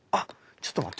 ちょっと待って。